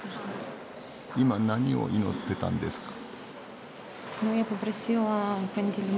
今何を祈ってたんですか？